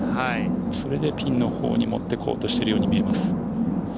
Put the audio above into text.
それでピンのほうに持って行こうとしているように見えます。